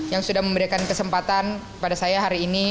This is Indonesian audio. yang sudah memberikan kesempatan pada saya hari ini